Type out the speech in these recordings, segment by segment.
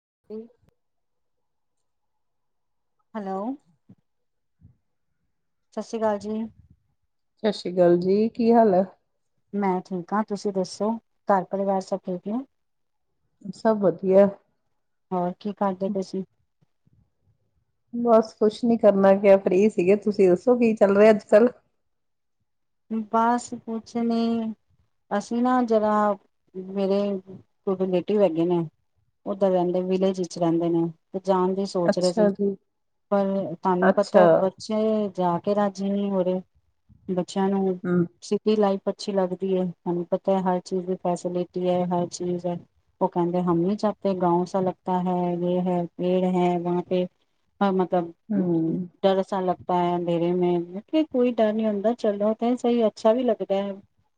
[unintelligible] Hello ਸਤਿ ਸ੍ਰੀ ਅਕਾਲ ਜੀ ਸਤਿ ਸ੍ਰੀ ਅਕਾਲ ਜੀ ਕੀ ਹਾਲ ਆ ਮੈਂ ਠੀਕ ਹਾਂ ਤੁਸੀਂ ਦੱਸੋ ਘਰ ਪਰਿਵਾਰ ਸੇਕ ਹੋ ਸਭ ਵਧੀਆ ਹੋਰ ਕੀ ਕਰਦੇ ਤੁਸੀਂ ਬਸ ਕੁਛ ਨੀ ਕਰਨਾ ਕ ਫ੍ਰਰੀ ਸੀਗੇ ਤੁਸੀਂ ਦੱਸੋ ਕੀ ਚੱਲ ਰਹੇ ਅੱਜ ਕੱਲ ਬਸ ਕੁਛ ਨੀ ਅਸੀਂ ਨਾ ਜਿਹੜਾ ਮੇਰੇ ਰਿਲੇਟਿਵ ਹੈਗੇ ਨੇ ਉਓਦਾਂ ਰਹਿੰਦੇ ਵਿਲੇਜ ਵਿੱਚ ਰਹਿੰਦੇ ਨੇ ਜਾਣ ਦੀ ਸੋਚ ਰਹੇ ਅੱਛਾ ਸੀ ਜੀ ਪਰ ਤੁਹਾਨੂੰ ਅੱਛਾ ਪਤਾ ਬੱਚੇ ਜਾ ਮੇਰਾ ਜਿਵੇਂ ਹੀ ਹੋ ਰਿਹਾ ਬੱਚਿਆਂ ਨੂੰ ਹਮ ਸਿੱਧੀ ਲਾਈਫ ਅੱਛੀ ਲਗਦੀ ਹੈ ਤੁਹਾਨੂੰ ਪਤਾ ਹੈ ਹਰ ਚੀਜ਼ ਦੀ ਫੈਸਿਲਿਟੀ ਹੈ ਹਰ ਚੀਜ਼ ਹੈ ਉਹ ਕਹਿੰਦੇ ਹਮ ਨਹੀਂ ਚਾਹਤੇ ਗਾ ਸ ਲਗਤਾ ਹੈ ਇਹ ਹੈ ਪੇੜ ਹੈ ਵ ਪੇ ਹਾਂ ਮਤਲਬ ਹਮ ਡਰ ਸੇ ਲਗਤਾ ਹੈ ਐ ਮੇਰੇ ਕੋਈ ਡਰ ਨਹੀਂ ਅੰਦਰ ਚੱਲਣਾ ਤਾਂ ਸਹੀ ਅੱਛਾ ਵੀ ਲੱਗਦਾ ਹੈ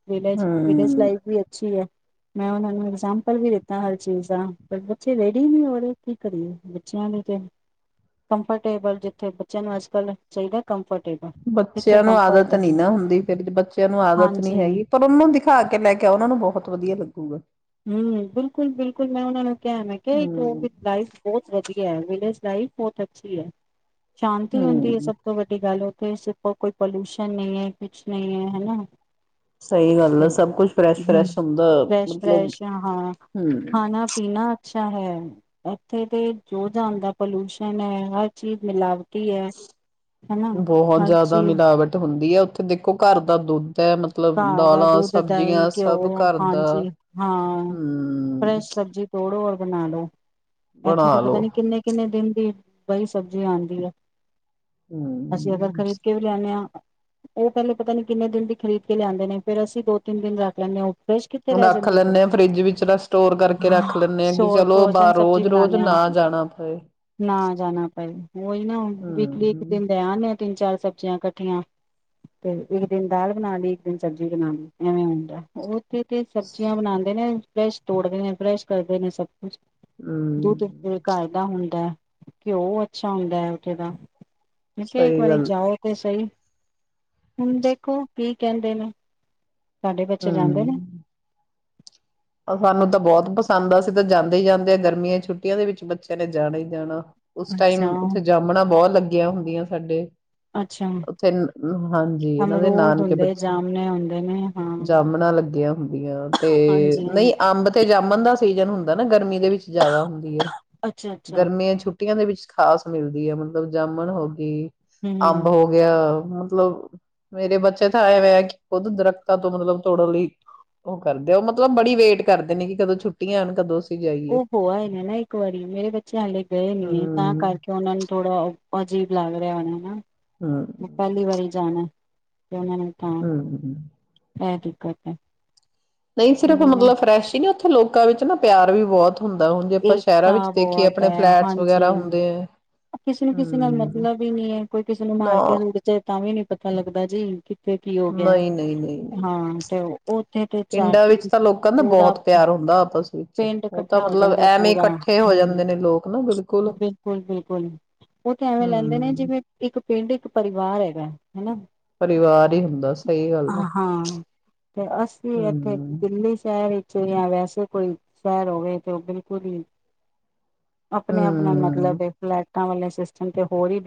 ਵਿਲੇਜ ਵਿਲੇਜ ਹਮ ਲਾਈਫ ਵੀ ਅੱਛੀ ਹੈ ਮੈਂ ਉਹਨਾਂ ਨੂੰ ਐਗਜਾਮਪਲ ਵੀ ਦਿੱਤਾ ਹਰ ਚੀਜ਼ ਦਾ ਪਰ ਬੱਚੇ ਰੇਡੀ ਨੀ ਹੋ ਰ ਕੀ ਕਰੀਏ ਬੱਚਿਆਂ ਨੂੰ ਤੇ ਕੰਫਰਟੇਬਲ ਜਿੱਥੇ ਬੱਚਿਆਂ ਨੂੰ ਅੱਜ ਕੱਲ ਚਾਹੀਦਾ ਕੰਫਰਟ ਜਿੱਥੇ ਬੱਚਿਆਂ ਨੂੰ ਆਦਤ ਹੈ। ਫਿਰ ਬੱਚਿਆਂ ਨੂੰ ਆਦਤ ਹਾਂਜੀ ਨੀ ਹੈਗੀ ਪਰ ਉਹਨਾਂ ਨੂੰ ਦਿਖਾ ਕੇ ਲੈ ਕੇ ਉਹਨਾ ਨੂੰ ਬਹੁਤ ਵਧੀਆ ਲੱ ਚੱਕੂਗਾ ਹਮ ਬਿਲਕੁਲ ਬਿਲਕੁਲ ਮੈਂ ਉਹਨਾਂ ਨੂੰ ਮੈਂ ਕਿਹਾ ਇੱਕ ਹਮ ਲਾਈਫ ਬਹੁਤ ਵਿਲੇਜ ਲਾਈਫ ਬਹੁਤ ਅੱਛੀ ਹੈ ਸ਼ਾਂਤੀ ਹੁੰਦੀ ਹੈ ਹਮ ਸਭ ਤੋਂ ਵੱਡੀ ਗੱਲ ਰ ਕੋਈ ਪੋਲੂਸ਼ਨ ਨਹੀਂ ਹੈ ਕੁਛ ਨਹੀਂ ਹੈ ਹਨ ਨਾ ਸਹੀ ਗੱਲ ਆ ਸਭ ਕੁਛ ਫਰੈਸ਼ ਫਰੈਸ਼ ਹੁੰਦਾ ਫਰੈਸ਼ ਮਤਲਬ ਹਾਂ ਹਮ ਖਾਣਾ ਪੀਣਾ ਅੱਛਾ ਹੈ ਇੱਥੇ ਤੇ ਜੋ ਜਹਾਨ ਦਾ ਪੋਲਊਸ਼ਨ ਹੈ ਹਰ ਚੀਜ਼ ਮਿਲਾਵਟ ਬਹੁਤ ਜਿਆਦਾ ਚੀਜ਼ ਮਿਲਾਵਟ ਹੁੰਦੀ ਹੈ ਉੱਥੇ ਦੇਖੋ ਘਰ ਦਾ ਦੁੱਧ ਹੈ ਮਤਲਬ ਗਾਂ ਦਾ ਦਾਲਾਂ ਦੁੱਧ ਦਹੀਂ ਸਬਜ਼ੀਆਂ ਸਭ ਘਿਓ ਘਰ ਦਾ ਹਾਂਜੀ ਹਾਂ ਹਮ ਫਰੈਸ਼ ਸਬਜ਼ੀ ਤੋੜੋ ਬਣਾ ਲੋ ਇੱਥੇ ਤਾਂ ਬਣਾ ਪਤਾ ਲੋ ਨੀ ਕਿੰਨੇ ਕਿੰਨੇ ਦਿਨ ਦੀ ਬਈ ਸਬਜ਼ੀ ਆਂਦੀ ਏ ਅਸੀਂ ਅਗਰ ਹਮ ਖ਼ਰੀਦ ਕੇ ਵੀ ਲਿਆਨੇ ਆ ਉਹ ਪਹਿਲੇ ਪਤਾ ਨੀ ਕਿੰਨੇ ਦਿਨ ਦੀ ਖਰੀਦ [unintelligible] ਲਿਆਦੇ ਨੇ ਫ਼ਿਰ ਅਸੀਂ ਦੋ ਤਿੰਨ ਦਿਨ ਰੱਖ ਲੈਂਨੇ ਆ ਫਰੈਸ਼ ਕਿੱਥੇ ਰਹਿ ਰੱਖ ਜਾਂਦੀ ਏ ਫੇਰ, ਲੈਂਦੇ ਆ ਫਰਿੱਜ ਵਿੱਚ ਸਟੋਰ ਕਰਕੇ ਰੱਖ ਲੈਂਦੇ ਆ ਕਿ ਹੋਰ ਚਲੋ ਫਰੋਜਨ ਬਾਹਰ ਸਬਜੀ ਰੋਜ਼ ਰੋਜ਼ ਬਨਾਨੇ ਆ, ਨਾ ਜਾਣਾ ਪਏ ਨਾ ਜਾਣਾ ਪਏ, ਉਹੀ ਨਾ ਹੁਨ ਵੀਕਲੀ ਇੱਕ ਹਮ ਦਿਨ ਲੈ ਅ ਤਿੰਨ ਚਾਰ ਸਬਜ਼ੀਆਂ ਇਕੱਠੀਆਂ ਤੇ ਇੱਕ ਦਿਨ ਦਾਲ ਬਣਾ ਲਈ ਕਈ ਸਬਜ਼ੀ ਬਣਾ, ਐਵੇਂ ਹੁੰਦਾ ਉਥੇ ਤੇ ਸਬਜ਼ੀਆਂ ਬਣਾਦੇ ਨੇ ਫਰੈਸ਼ ਤੋੜਦੇ ਨੇ ਫਰੈਸ਼ ਕਰਦੇ ਨੇ ਸ ਦੂਧ ਤੇ ਹਮ ਘਰ ਦਾ ਹੁੰਦਾ ਘਿਓ ਅੱਛਾ ਹੁੰਦਾ ਐ ਉਥੇ ਦਾ ਮੈ ਕਿਹਾ, ਇੱਕ ਸਹੀ ਵਾਰੀ ਗੱਲ ਜਾਓ ਤੇ ਸਹੀ ਹੁਨ ਦੇਖੋ ਕੀ ਕਹਿੰਦੇ ਨੇ ਸਾਡੇ ਬੱਚੇ ਜਾਂਦੇ ਹਮ ਨੇ ਸਾਨੂੰ ਤਾਂ ਬਹੁਤ ਪਸੰਦ, ਅਸੀਂ ਤਾਂ ਜਾਂਦੇ ਈ ਜਾਂਦੇ ਆ ਗਰਮੀਆਂ ਛੁੱਟੀਆਂ ਦੇ ਵਿੱਚ ਬੱਚਿਆਂ ਨੇ ਜਾਣਾ ਈ ਜਾਣਾ। ਉਸ ਅੱਛਾ ਟਾਈਮ ਉੱਥੇ ਜਾਂਮਣਾ ਬਹੁਤ ਲੱਗਿਆ ਹੁੰਨ [unintelligible] ਸਾਡੇ ਅੱਛਾ ਉੱਥੇ, ਹਾਂਜੀ, ਇਹਨਾਂ ਦੇ ਅਮਰੂਦ ਨਾਨਕੇ ਹੁੰਦੇ, ਬੱਚੇ, ਜਾਮਣੇ ਹੁੰਦੇ ਨੇ ਹਾਂ। ਜਾਮਣਾ ਲੱਗੀਆਂ ਹੁੰਦੀਆਂ ਤੇ ਹਾਂਜੀ, ਨਹੀਂ ਅੰਬ ਤੇ ਜਾਮਣ ਦਾ ਸੀਜਨ ਹੁੰਦਾ ਨਾ ਗਰਮੀ ਦੇ ਵਿੱਚ ਜਿਆਦਾ ਹੁੰਦੀ ਐ। ਅੱਛਾ-ਅੱਛਾ, ਗਰਮੀਆਂ ਛੁੱ ਛੁੱਟੀਆਂ ਦੇ ਵਿੱਚ ਖਾਸ ਮਿਲਦੀ ਐ, ਮਤਲਬ ਜਾਮਣ ਹੋ ਗੀ ਅੰਬ ਹੂੰ। ਹੋ ਗਿਆ ਮਤਲਬ ਮੇਰੇ ਬੱਚੇ ਤਾਂ ਐਵੇਂ ਐ ਕਿ ਖੁੱਦ ਦਰਖ਼ਤਾਂ ਤੋਂ ਮਤਲਬ ਤੋੜਨ ਲਈ ਉਹ ਕਰਦੇ ਹੋ ਮਤਲਬ ਬੜੀ ਵੇਟ ਕਰਦੇ ਨੇ ਕਿ ਕਦੋਂ ਛੁੱਟੀਆਂ ਆਨ ਕਦੋਂ ਜਾਈਏ ਉਹ ਹੋ ਆਏ ਨੇ ਨਾ ਇੱਕ ਵਾਰੀ ਮੇਰੇ ਬੱਚੇ ਹਾਲੇ ਗਏ ਨੀਂ ਨੇ ਤਾਂ ਹਮ ਕਰਕੇ ਉਹਨਾਂ ਨੂੰ ਥੋੜਾ ਅਜੀਬ ਲੱਗ ਰਿਹਾ ਹੋਣਾ ਹਮ ਨਾ ਪਹਿਲੀ ਵਾਰੀ ਜਾਣਾ ਉਹਨਾਂ ਨੂੰ ਤਾਂ ਹਮ [unintelligible] [unintelligible] ਨਹੀਂ ਸਿਰਫ ਮਤਲਬ ਫਰੈਸ਼ ਈਂ ਨਾਂ ਇਥੇ ਲੋਕਾਂ ਵਿੱਚ ਨਾ ਪਿਆਰ ਵੀ ਬਹੁਤ ਹੁੰਦਾ ਹੁਣ ਜੇ ਆਪਾਂ ਸ਼ਹਿਰਾਂ ਵਿੱਚ ਏਕਤਾ ਦੇਖੀਏ ਬਹੁਤ ਆਪਣੇ ਐ। ਫਲੈਟਸ ਵਗੈਰਾ ਹਾਂਜੀ, ਹੁੰਦੇ ਹੈ ਕਿਸੇ ਨੂੰ ਕਿਸੇ ਨਾਲ ਹਮ ਮਤਲਬ ਹੀ ਨੀ ਐ ਕੋਈ ਕਿਸੇ ਨੂੰ ਮਾਰ ਨਾ ਕੇ ਸੁੱਟ ਜੇ ਤਾਂ ਵੀ ਨੀ ਪਤਾ ਲੱਗਦਾ ਜੀ ਕਿੱਥੇ ਕੀ ਹੋ ਗਿਆ ਏ। ਨਹੀਂ ਨਹੀਂ ਨਹੀਂ ਨਹੀਂ ਹਾਂ ਤੇ ਉੱਥੇ ਤੇ ਪਿੰਡਾਂ ਚਾਟੀ ਵਿੱਚ ਤਾਂ ਲੋਕਾਂ ਦਾ ਪੂਰਾ ਬਹੁਤ ਪਿਆਰ ਹੁੰਦਾ ਆਪਸ ਵਿੱਚ ਪਿੰਡ ਉਹ ਤਾਂ ਇਕੱਠਾ ਹੋ ਮਤਲਬ ਜਾਂਦਾ ਐਵੇਂ ਪੂਰਾ ਇਕੱਠੇ ਹੋ ਹਂ ਜਾਂਦੇ ਨੇ ਲੋਕ ਨਾ ਬਿਲਕੁਲ ਬਿਲਕੁਲ-ਬਿਲਕੁਲ ਉਹ ਤਾਂ ਐਵੇਂ ਲੈਂਦੇ ਨੇ ਹਮ ਜਿਵੇਂ ਇੱਕ ਪਿੰਡ ਇੱਕ ਪਰਿਵਾਰ ਹੈਗਾ। ਹਨਾ? ਪਰਿਵਾਰ ਹੀ ਹੁੰਦਾ ਸਹੀ ਗੱਲ ਆ ਹਾਂ, ਤੇ ਅਸੀਂ ਇੱਥੇ ਹਮ ਦਿੱਲੀ ਸ਼ਹਿਰ ਇੱਚ [unintelligible] ਵੈਸੇ ਕੋਈ ਸੈ੍ਰ ਹੋਵੇ ਤੇ ਉਹ ਬਿਲਕੁਲ ਈ ਆਪਣੇ ਆਪਣਾ ਮਤਲਬ ਹਮ ਫਲੈਟਾਂ ਵਾਲੇ ਸਿਸਟਮ ਤੇ ਹੋਰ ਈ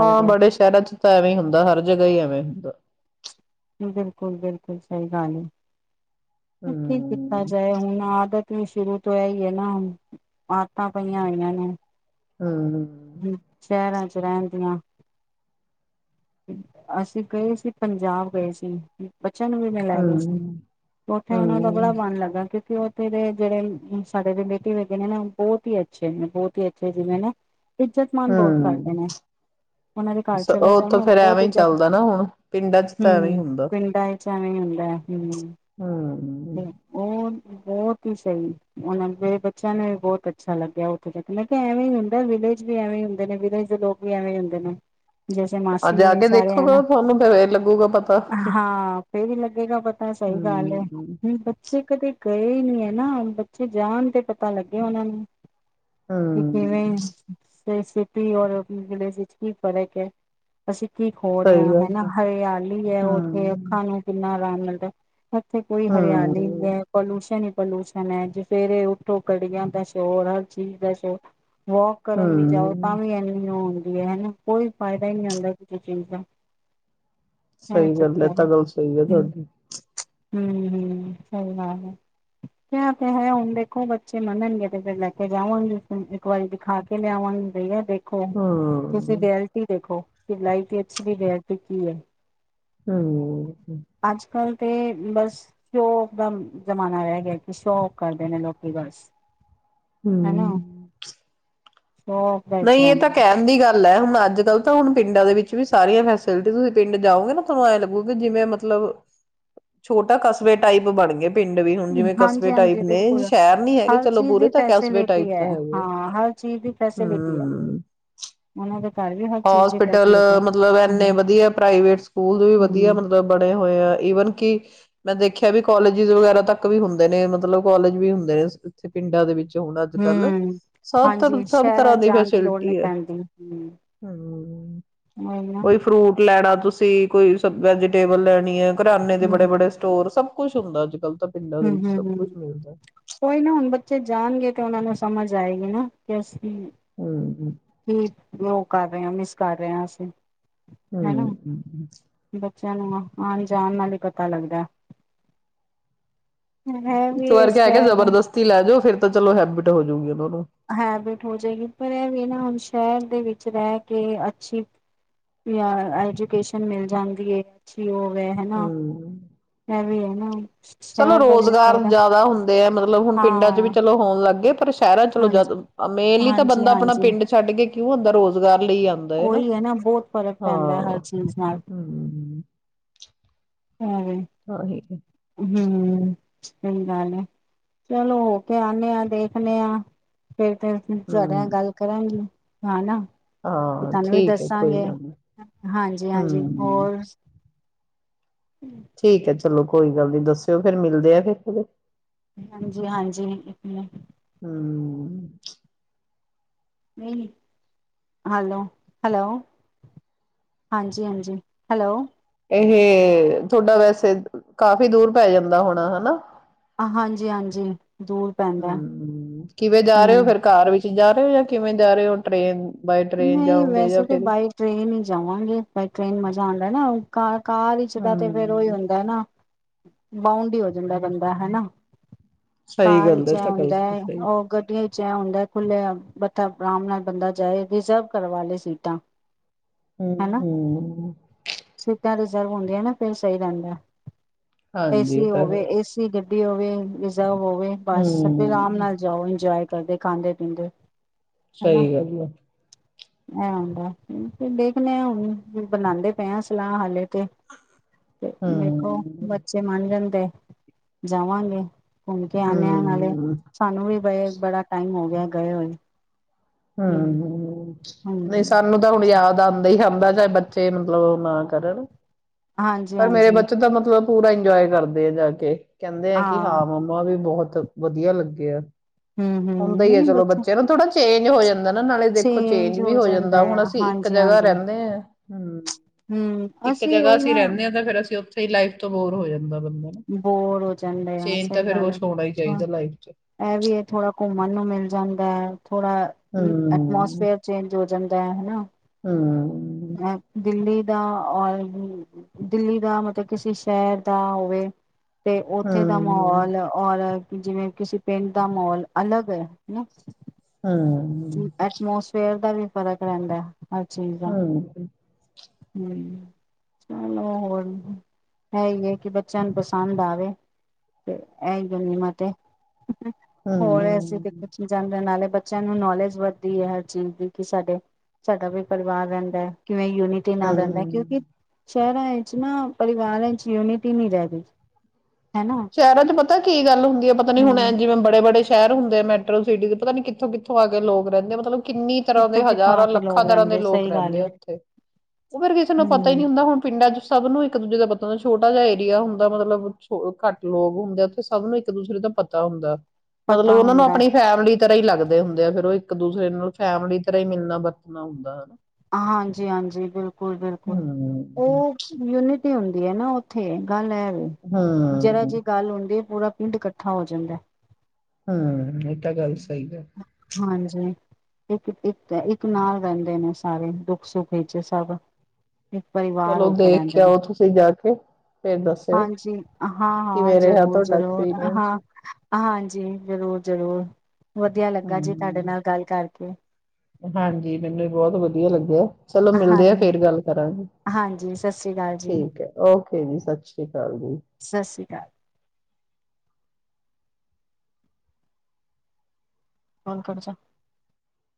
ਹਾਂ ਬੜੇ ਸ਼ਹਿਰਾਂ ਚ ਤਾਂ ਐਵੇਂ ਈ ਹੁੰਦਾ, ਹਰ ਜਗ੍ਹਾ ਈ ਐਵੇਂ ਹੁੰਦਾ। ਬਿਲਕੁਲ ਬਿਲਕੁਲ, ਸਈ ਗੱਲ ਐ। ਹੁਣ ਕੀ ਕੀਤਾ ਹਮ ਜਾਏ, ਹੁਣ ਆਦਤ ਸ਼ੁਰੂ ਤੋਂ ਐ ਈ ਹੈ ਨਾ, ਆਦਤਾਂ ਪਈਆਂ ਹੋਈਆਂ ਨੇ। ਹੂੰ। ਹੂੰ, ਸ਼ਹਿਰਾਂ ਚ ਰਹਿਣ ਦੀਆਂ। ਅਸੀਂ ਗਏ ਸੀ, ਪੰਜਾਬ ਗਏ ਸੀ। ਬੱਚਿਆਂ ਨੂੰ ਵੀ ਮੈਂ ਲੈ ਗਈ ਸੀ। ਹਮ ਉੱਥੇ ਉਹਨਾਂ ਦਾ ਬੜਾ ਹਮ ਮਨ ਲੱਗਾ ਕਿ ਤੇ ਉਥੇ ਦੇ ਜਿਹੜੇ ਸਾਡੇ ਰਿਲੇਟਿਵ ਹੈਗੇ ਨੇ ਨਾ, ਬਹੁਤ ਹੀ ਅੱਛੇ ਨੇ, ਬਹੁਤ ਹੀ ਅੱਛੇ ਜਿਵੇਂ ਨਾ ਇੱਜ਼ਤ-ਮਾਨ ਬਹੁਤ ਕਰਦੇ ਹਮ ਨੇ, ਉਹਨਾਂ ਦੇ ਘਰ ਚਲੇ ਉਹ ਜਾਓ ਨਾ ਤਾਂ ਫੇਰ ਬਹੁਤ ਐਵੇਂ ਈ ਇੱਜਤ ਚੱਲਦਾ ਨਾ ਹੁਣ, ਪਿੰਡਾਂ ਚ ਤਾਂ ਐਵੇਂ ਈ ਹੁੰਦਾ। ਚ ਐਵੇਂ ਈ ਹੁੰਦਾ। ਹੂੰ। ਹਮ ਹ ਉਹ ਬਹੁਤ ਈ ਸਈ। ਉਹਨਾਂ ਮੇਰੇ ਬੱਚਿਆਂ ਨੇ ਵੀ ਬਹੁਤ ਅੱਛਾ ਲੱਗਿਆ ਉੱਥੇ ਜਾ ਕੇ। ਮੈਂ ਕਿਆ ਐਵੇਂ ਈ ਹੁੰਦਾ, ਵਿਲੇਜ ਵੀ ਐਵੇਂ ਈ ਹੁੰਦੇ ਨੇ, ਵਿਲੇਜ ਦੇ ਲੋਕ ਵੀ ਐਵੇਂ ਈ ਹੁੰਦੇ ਨੇ। ਜੈਸੇ ਮਾਸ ਆ ਜਾ ਏ ਕੇ ਸਾਰੇ ਆ ਨਾ। ਦੇਖੋਗਾ ਤੁਹਾਨੂੰ ਫੇਰ ਲੱਗੂਗਾ ਪਤਾ ਹਾਂ ਫੇਰ ਵੀ ਲੱਗੇਗਾ ਪਤਾ, ਸਈ ਗੱਲ ਐ, ਹਮ ਹੁਣ ਬੱਚੇ ਕਦੇ ਗਏ ਨੀ ਏ ਨਾ। ਬੱਚੇ ਜਾਣ ਤੇ ਪਤਾ ਲੱਗਿਆ ਉਹਨਾਂ ਨੂੰ। ਹੂੰ। ਤੇ ਸਿਟੀ ਔਰ ਵਿਲੇਜ ਵਿੱਚ ਕੀ ਫ਼ਰਕ ਐ। ਅਸੀਂ ਕੀ ਖੋ ਸਹੀ ਰਿਆਂ ਗੱਲ ਹਨਾ, ਹੈ ਹਰਿਆਲੀ ਹੈ ਉੱਥੇ, ਹਮ ਅੱਖਾਂ ਨੂੰ ਕਿੰਨਾ ਆਰਾਮ ਮਿਲ [unintelligible] ਇੱਥੇ ਕੋਈ ਹਰਿਆਲੀ ਹਮ ਨੈ, ਪੋਲਊਸ਼ਨ ਐ ਪੋਲਿਊਸ਼ਨ ਐ, ਜਫੇਰੇ ਉੱਠੋ, ਕੜੀਆਂ ਦਾ ਸ਼ੋਰ, ਹਰ ਚੀਜ਼ ਦਾ ਸ਼ੋਰ। ਵੌਕ ਕਰਨ ਲੀ ਜਾਓ, ਤਾਂ ਹਮ ਈ ਐਵੇਂ ਈ ਹੋ ਵੀ ਹਨਾ, ਕੋਈ ਫਾਇਦਾ ਈ ਨੀ ਹੁੰਦਾ ਚੋ ਚਿੰਤਾ ਸਈ ਗੱਲ, ਐ ਤਾਂ ਗੱਲ ਸਈ ਐ ਹੈ। ਤੁਹਾਡੀ। ਹੂੰ ਹੂੰ, ਸਈ ਗੱਲ ਐ। ਕਿਆ ਤੇ ਹੈ, ਹੁਣ ਦੇਖੋ ਬੱਚੇ ਮੰਨਣਗੇ ਤੇ ਫਿਰ ਲੈ ਕੇ ਜਾਵਾਂਗੀ, ਹੁਣ ਇੱਕ ਵਾਰੀ ਦਿਖਾ ਕੇ ਲਿਆਵਾਂਗੀ [unintelligible] ਦੇਖੋ। ਤੁਸੀਂ ਹਮ ਰਿਐਲਟੀ ਦੇਖੋ। ਫਿਰ ਲਾਈਫ ਦੀ ਐਕਚੁਅਲੀ ਰਿਐਲਿਟੀ ਕੀ ਐ। ਹੂੰ। ਤੇ ਬਸ ਸ਼ੋਕ ਦਾ ਜ਼ਮਾਨਾ ਰਹਿ ਗਿਆ, ਕਿ ਸ਼ੌਕ ਕਰਦੇ ਨੇ ਲੋਕੀ ਬਸ। ਹਨਾ ਹਮ। ਸ਼ੋਪ ਦਾ ਵਿੱਚ ਨਹੀਂ ਇਹ ਤਾਂ ਰਹਿੰਦੇ ਕਹਿਣ ਦੀ ਗੱਲ। ਲੈ ਹੁਣ, ਅੱਜ ਕੱਲ ਤਾਂ ਹੁਣ ਪਿੰਡਾਂ ਦੇ ਵਿੱਚ ਵੀ ਸਾਰੀਆਂ ਫੈਸਿਲਿਟੀ ਤੁਸੀਂ ਪਿੰਡ ਜਾਓਗੇ ਨਾ ਤੁਹਾਨੂੰ ਐਂ ਲੱਗੁਰਾ। ਜਿਵੇਂ ਮਤਲਬ ਛੋਟਾ ਕਸਬੇ ਟਾਈਪ ਬਣ ਗਏ। ਪਿੰਡ ਵੀ ਹੁਣ ਨੇ। ਜਿਵੇਂ ਹਾਂਜੀ ਕਸਬੇ ਟਾਈਪ ਹਾਂਜੀ ਨੇ ਬਿਲਕੁਲ ਸ਼ਹਿਰ ਨੀ ਹੈਗੇ ਹਰ ਚਲੋ ਚੀਜ਼ ਬੂਰੇ ਦੀ ਤਾਂ ਕਸਬੇ ਟਾਈਪ ਫੈਸਿਲਿਟੀ ਤਾਂ ਹੈ ਹੈਗੇ ਆ। ਹਾਂ ਹਰ ਚੀਜ਼ ਦੀ ਫੈਸਿਲਿਟੀ ਉਹਨਾਂ ਘਰ ਵੀ ਹਰ ਚੀਜ਼ ਦੀ ਹੋਸਪਿਟਲ ਫੈਸਿਲਿਟੀ ਹੈ ਮਤਲਬ ਹੂੰ ਇਨੇ ਵਧੀਆ ਪ੍ਰਾਈਵੇਟ ਸਕੂਲ ਦੇ ਵੀ ਵਧੀਆ ਹੂੰ। ਮਤਲਬ ਬਣੇ ਹੋਏ ਆ ਈਵਨ ਕਿ ਮੈਂ ਦੇਖਿਆ ਵੀ ਕਾਲਜ ਵਗੈਰਾ ਤੱਕ ਵੀ ਹੁੰਦੇ ਨੇ ਮਤਲਬ ਕਾਲਜ ਵੀ ਹੁੰਦੇ ਨੇ ਇੱਥੇ ਪਿੰਡਾਂ ਦੇ ਵਿੱਚ ਹੁਣ ਅੱਜ ਕੱਲ ਹਮ ਸਭ ਹਾਂਜੀ ਸਭ ਸ਼ਹਿਰਾਂ ਤਰ੍ਹਾਂ ਚ' ਜਾਣ ਦੀ ਲੋੜ ਨਹੀਂ ਫੈਸਿਲਿਟੀ ਹੈ ਪੈਣਦੀ ਹਮ। ਹਮ ਕੋਈ ਫਰੂਟ ਲੈਣਾ ਤੁਸੀਂ। ਤੁਸੀਂ ਕੋਈ ਸਬ ਵੈਜੀਟੇਬਲ ਲੈਣੀ ਹੈ। ਕਰਿਆਨੇ ਦੇ ਬੜੇ ਬੜੇ ਸਟੋਰ ਸਭ ਕੁਛ ਕੁਛ ਹੁੰਦਾ ਅੱਜ ਕੱਲ ਤਾ ਹਮ, ਹਮ, ਹਮ ਕੋਈ ਨਾ ਹੁਣ ਬੱਚੇ ਜਾਣਗੇ ਤੇ ਉਹਨਾਂ ਨੂੰ! ਸਮਝ ਆਏਗੀ ਨਾ। ਹਮ ਹਮ ਠੀਕ ਲੋਕ। ਕਰ ਰਹੇ ਹਾਂ ਮਿਸ ਕਰ ਰਹੇ ਹਾਂ। ਅਸੀਂ ਹਨਾ ਹਮ ਹਮ ਬੱਚਿਆਂ ਨੂੰ ਆਣ- ਜਾਣ ਨਾਲ ਹੀ ਪਤਾ ਲੱਗਦਾ। ਹੈ ਇੱਕ ਵੀ ਵਾਰ ਇਸ ਕਿਹਾ, ਕੇ ਸ਼ਹਿਰ ਜਬਰਦਸਤੀ ਲੈ ਜਾਓ! ਫਿਰ ਚਲੋ ਹੈਬਿਟ ਹੋਜੂਗੀ ਉਹਨਾਂ ਨੂੰ। ਹੈਬਿਟ ਹੋ ਜਾਏਗੀ। ਪਰ ਇਹ ਵੀ ਨਾ ਹੁਣ ਸ਼ਹਿਰ ਦੇ ਵਿੱਚ ਰਹਿ ਕੇ ਅੱਛੀ ਐਜੂਕੇਸ਼ਨ ਮਿਲ ਜਾਂਦੀ ਹੈ ਅੱਛੀ ਉਹ, ਹੈ ਨਾ ਹਮ ਇਵੇਂ ਵੀ ਅਅ ਹਾਂ। ਚਲੋ, ਰੁਜ਼ਗਾਰ ਜਿਆਦਾ ਹੁੰਦੇ ਹੈ। ਮਤਲਬ ਹੁਣ ਪਿੰਡਾਂ ਚ ਵੀ ਹਾਂ ਚਲੋ ਹੋਣ ਲੱਗ ਗਏ। ਪਰ ਸ਼ਹਿਰਾਂ ਚਲੋ ਹਾਂਜੀ ਮੇਨਲੀ ਤਾਂ ਬੰਦਾ ਆਪਣਾ ਹਾਂਜੀ-ਹਾਂਜੀ ਪਿੰਡ ਛੱਡ ਕੇ ਕਿਉਂ ਆਂਦਾ ਰੁਜ਼ਗਾਰ ਲਈ ਆਉਂਦਾ ਹਾਂ ਉਹੀ ਹੈ ਨਾ ਬਹੁਤ ਫ਼ਰਕ ਪੈਂਦਾ ਹਰ ਚੀਜ਼ ਨਾਲ ਹਮ [unintelligible] ਹਾਂ ਤਾਂਹੀ ਹਮ ਸਹੀ ਗੱਲ ਹੈ ਚਲੋ ਹੋ ਕੇ ਆਦੇ ਆਾਂ ਦੇਖਦੇ ਹਾਂ ਫੇਰ ਤੇ ਤੁਡਿਆਂ ਨਾਲ ਹਮ ਗੱਲ ਕਰਾਂਗੇ ਹਾਂ ਨਾ ਤੇ ਹਾਂ ਤੁਹਾਨੂੰ ਵੀ ਠੀਕ ਹੈ ਕੋਈ ਦੱਸਾਂਗੇ ਗੱਲ ਨੀ ਹਾਂਜੀ ਹਾਂਜੀ ਹਮ ਹੋਰ ਠੀਕ ਹੈ ਜੀ ਚਲੋ ਕੋਈ ਗੱਲ ਹਾਂਜੀ ਹਾਂਜੀ ਇੱਕ ਹਮ [unintelligible] ਹੈਲੋ ਹੈਲੋ ਹਾਂਜੀ ਹਾਂਜੀ ਹੈਲੋ ਇਹ ਹਮ ਹਾਂਜੀ-ਹਾਂਜੀ ਦੂਰ ਪੈਂਦਾ ਕਿਵੇਂ ਜਾ ਹੂੰ ਰਹੇ ਹੋ ਫੇਰ ਕਾਰ ਵਿੱਚ ਜਾ ਰ ਹੇ ਹੋ ਜਾਂ [unintelligible] ਕਿਵੇਂ ਜਾ ਰਹੇ ਹੋ ਟ੍ਰੇਨ ਬਾਏ ਟ੍ਰੇਨ ਨਹੀਂ ਜਾਓਗੇ ਵੈਸੇ ਜਾਂ ਤਾਂ ਫਿਰ ਬਾਈ ਟ੍ਰੇਨ ਹੀ ਜਾਵਾਂਗੇ ਬਾਈ ਟ੍ਰੇਨ ਮਜ਼ਾ ਆਉਂਦਾ ਨਾ ਉਹ ਘ [unintelligible] ਕਾਰ ਵਿਚ ਦਾ ਤੇ ਫੇਰ ਓਹੀ ਹੂੰ, ਹੁੰਦਾ ਐ ਨਾ ਬਾਂਡ ਹੀ ਹੋ ਜਾਂਦਾ ਬੰਦਾ ਹਨਾ [inaudible] ਸਹੀ ਕਾਰ ਗੱਲ ਵਿਚ ਹੈ ਐਹ ਤੁਹਾਡੀ ਹੁੰਦਾ ਸਹੀ ਉਹ ਗੱਡੀਆਂ ਚ ਐ ਹੁੰਦਾ ਖੁੱਲੇ ਬ ਆਰਾਮ ਨਾਲ ਬੰਦਾ ਜਾਏ [unintelligible] ਰਿਜ਼ਰਵ ਕਰਵਾ ਲ ਸੀਟਾਂ ਹਮ ਹਨਾ ਹਮ ਸੀਟਾਂ ਰਿਜ਼ਰਵ ਹੁੰਦੀਆਂ ਨਾ ਫਿਰ ਸਹੀ ਰਹਿੰਦਾ ਐ ਹਾਂਜੀ ਇਹ ਏਸੀ ਤਾਂ ਹੈ ਹੋਵੇ ਏਸੀ ਹੋਵੇ ਇਹ ਜਾਓ [unintelligible] ਹੋਵੇ ਬਸ ਸ ਆਰਾਮ ਹੂੰ, ਨਾਲ ਜਾਓ ਇੰਜੋਏ ਕ ਕਰਦੇ ਖਾਂਦੇ ਪੀਂਦੇ ਸਹੀ ਐ ਆਂਦਾ ਦੇਖਣੇ ਆ ਹੁਣ ਬਣਾਉਦੇ ਪਏ ਆ ਸਲਾਹ ਹਾਲੇ ਤੇ ਤੇ ਵੇਖੋ ਹੂੰ, ਬੱਚੇ ਮੰਨ ਜਾਂਦੇ ਜਾਵਾਂਗੇ ਘੁੰਮ ਕੇ ਆਉਂਨਿਆ ਨਾਲੇ ਹੂੰ, ਸਾਨੂੰ ਵੀ ਬਏ ਬੜਾ ਹਮ ਹਮ ਹਮ ਨਹੀਂ ਹਾਂਜੀ, ਸਾਨੂੰ ਤਾਂ ਹੁਣ ਯਾਦ ਆਂਦਾ ਹੀ ਆਂਦਾ ੇ [unintelligible] ਬੱਚੇ ਮਤਲਬ ਨਾ ਕਰਨ ਪਰ ਮੇਰੇ ਹਾਂਜੀ-ਹਾਂਜੀ ਬੱਚੇ ਦਾ ਮਤਲਬ ਪੂਰਾ ਇੰਜੋਏ ਕਰਦੇ ਆ ਜਾ ਕੇ ਕਹਿੰਦੇ ਆ ਕਿ ਹਾਂ ਮੰਮਾ ਵੀ ਬਹੁਤ ਵਧੀਆ ਲੱਗੇ ਆ ਹੂੰ-ਹੂੰ ਹੁੰਦਾ ਈ ਐ ਨਈ ਚਲੋ ਬੱਚਾ ਬੱਚੇ ਨੂੰ ਥੋੜਾ ਜ ਚੇਂਜ ਹੋ ਜਂਦ ਨਾ-ਨਾ ਨਾਲੇ ਦੇਖੋ ਚੇਂਜ ਵੀ ਹੋ ਜਾਂਦਾ ਹੁਨ ਅਸੀਂ ਇੱਕ ਜਗ੍ਹਾਂ ਰੈਂਦੇ ਆਂ ਹੰ, ਹੂੰ ਇੱਕ ਅਸੀਂ ਜਗ੍ਹਾਂ ਉਹੀ ਸ ਨਾ ਰੈਂਨੇ ਆਂ ਤਾਂ ਫੇਰ ਅਸੀ ਔਥ ਫੇਰ ਲਾਈਫ ਤੋਂ ਬੋਰ ਹੋ ਜਾਂਦ ਬੋਰ ਹੋ ਜਾਂਦੇ ਆਂ ਸਈ ਤਾਂ ਫਿਰ ਗੱਲ ਕੁਛ ਹੋਣਾ ਹੀ ਐ ਚਾਹੀਦਾ ਲਾਈਫ 'ਚ ਐ ਵੀ ਏ ਥੋੜਾ ਘੁੰਮਨ ਨੂੰ ਮਿਲ ਜਾਂਦੈ। ਥੋੜਾ ਐਟਮੋਸਫੇਅਰ ਚੇਂਜ ਹੋ ਜਾਂਦਾ ਐ ਹਨਾ। ਹੰ ਦਿੱਲੀ ਦਾ ਔਰ ਦਿੱਲੀ ਦਾ ਮਤਲਬ ਕਿਸੇ ਸ਼ਹਿਰ ਦਾ ਔ [unintelligible] ਤੇ ਔਥੇ ਦਾ ਹਮ ਮਾਹੌਲ ਔਰ ਜਿਵੇਂ ਕਿਸੀ ਪਿੰਡ ਦਾ ਮੌਲ ਅਲੱਗ ਏ ਹੇਨਾ ਹਮ ਐਟਮੋਸਫੇਅਰ ਦਾ ਵੀ ਫ਼ਰਕ ਰੈਂਦੈ [unintelligible] ਹਮ ਹੰ ਚਲੋ ਹੋਰ ਹੈ ਈ ਹੈ ਕਿ ਬੱਚਿਆਂ ਨੂੰ ਪਸੰਦ ਆਵੇ ਤੇ ਏ ਈ [unintelligible] ਹੋਰ ਅਸੀਂ ਹਮ ਤੇ ਜਾਂਦੇ ਹਾਂ ਨਾਲੇ ਬੱਚਿਆਂ ਨੂੰ ਨੌਲੇਜ ਵੱਧਦੀ ਏ ਹਰ ਚੀਜ਼ ਦੀ ਕਿ ਸਾਡੇ ਸਾਡਾ ਵੀ ਪਰਿਵਾਰ ਰੈਂਦੈ ਕਿਵੇਂ ਦੇ ਨਾਲ ਰੈਂਦਾ ਹਮ ਕਿਉਂਕੀ ਸ਼ਹਿਰਾਂ ਇਚ ਨਾ ਪਰਿਵਾਰਾਂ ਇਚ ਯੂਨਿਟੀ ਨੀਂ ਰੈ ਗਈ। ਹਨਾ ਸ਼ਹਿਰਾਂ ਚ ਪਤਾ ਕੀ ਗੱਲ ਹੁੰਦੀ ਐ ਪਤਾ ਨੀ ਹੁਣ ਐਂ ਹੂੰ ਜਿਵੇਂ ਬੜੇ-ਬੜੇ ਸ਼ਹਿਰ ਹੁੰਦੇ ਆ ਮੈਟਰੋ ਸਿਟੀ ਚ ਪਤਾ ਨੀ ਕਿੱਥੋਂ-ਕਿੱਥੋਂ ਆ ਕੇ ਲੋਕ ਰੈਂਦੇ ਆ। ਮਤਲਬ ਕਿੰਨੀ ਤਰ੍ਹਾਂ ਦੇ ਕਿੱਥੋਂ ਕਿੱਥੋਂ ਆ ਕੇ ਹਜ਼ਾਰਾਂ-ਲੱਖਾਂ ਲੋਕ ਤਰ੍ਹਾਂ ਦੇ ਰਹਿੰਦੇ ਲੋਕ ਸਹੀ ਗੱਲ ਰੈਂਦੇ ਆ ਹੈ ਔਥੇ ਉਹ ਫੇਰ ਕਿਸੇ ਨੂੰ ਪਤਾ ਈ ਹੂੰ ਨੀ ਹੁੰਦਾ ਹੁਨ ਪਿੰਡਾਂ ਚ ਸ ਸਭ ਨੂੰ ਇੱਕ ਦੂਜੇ ਦਾ ਪਤਾ ਹੁੰਦਾ ਛੋਟਾ ਜਿਆ ਏਰੀਆ ਹੁੰਦਾ ਮਤਲਬ ਛੌ ਘੱਟ ਲੋਕ ਹੁੰਦੇ ਔਥੇ ਸਭ ਨੂੰ ਇੱਕ ਦੂਸਰੇ ਦਾ ਪਤਾ ਹੁੰਦਾ ਮਤਲਬ ਪਤਾ ਔਨਾਂ ਨੂੰ ਹੁੰਦਾ ਆਪਣੀ ਫੈਮਲੀ ਤਰ੍ਹਾਂ ਈ ਲੱਗਦੇ ਹੁੰਦੇ ਆ ਫੇਰ ਔਹ ਇੱਕ ਦੂਸਰੇ ਨਾਲ ਫੈਮਲੀ ਦੀ ਤਰ੍ਹਾਂ ਈ ਮਿਲਨਾ ਵਰਤਨਾ ਹੁੰਦਾ, ਹਨਾ। ਹਾਂਜੀ-ਹਾਂਜੀ ਬਿਲਕੁ ਹੰ ਪਚ ਯੂਨਿਟੀ ਹੁੰਦੀ ਐ ਨਾ ਔਥੇ ਗੱਲ ਏ ਜਾਰ ਹਮ ਜੀ ਗੱਲ ਹੁੰਦੀ ਏ ਪੂਰਾ ਪਿੰਡ ਕੱਠਾ ਹੋ ਜਾਂਦੈ ਹੰ ਏ ਤਾਂ ਗੱਲ ਸਈ ਆ ਹਾਂਜੀ ਇੱਕ ਇੱਕ ਇੱਕ ਨਾਲ ਰਹਿੰਦੇ ਨੇ ਸਾਰੇ ਦੁੱਖ ਸੁੱਖ ਵਿਚ ਸਭ ਇੱਕ ਪਰਿਵਾਰ ਚਲੋ ਹੋ ਕੇ ਦੇਖ ਰਹਿੰਦੇ ਨੇ ਆਓ ਤੁਸੀਂ ਜਾ ਕੇ ਫੇਰ ਦੱਸਿਓ ਹਾਂਜੀ ਹਾਂ ਹਾਂ ਕਿਵੇਂ ਰਿਹਾ ਜ਼ਰੂਰ ਤੁਹਾਡਾ ਜ਼ਰੂਰ ਐਕਸਪੀਰੀਅੰਸ ਹਾਂ ਹਾਂਜੀ ਜ਼ਰੂਰ ਜ਼ਰੂਰ ਵਧੀਆ ਲੱਗਾ ਜੀ ਤੁਹਾਡੇ ਹਮ ਨਾਲ ਗੱਲ ਕਰਕੇ ਹਾਂਜੀ ਮੈਨੂੰ ਵੀ ਬਹੁਤ ਵਧੀਆ ਲੱਗ ਆ ਚਲੋ ਮਿਲਦੇ ਆ ਹਾਂਜੀ ਫੇਰ ਗੱਲ ਕਰਾਂਗੇ ਹਾਂਜੀ ਸਤਿ ਸ੍ਰੀ ਅਕਾਲ ਜੀ ਠੀਕ ਹੈ ਓਕੇ ਜੀ ਸਤਿ ਸ੍ਰੀ ਅਕਾਲ ਜੀ ਸਤਿ ਸ੍ਰੀ ਅਕਾਲ ਹਨ ਕਰ ਚ